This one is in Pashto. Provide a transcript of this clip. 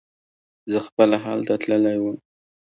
زه خپله هلته تللی وم.